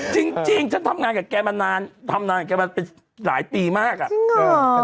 จริงฉันทำงานกับแกมานานทำนานกับแกมาเป็นหลายปีมากอ่ะ